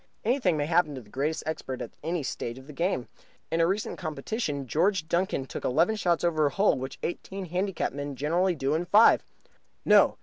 Anything may happen to the greatest expert at any stage of the game. In a recent competition George Duncan took eleven shots over a hole which eighteen handicap men generally do in five. No!